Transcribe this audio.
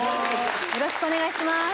よろしくお願いします。